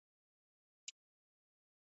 圣茹安德布拉武。